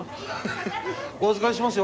お預かりします。